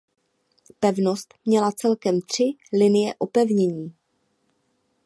Pevnost měla celkem tři linie opevnění.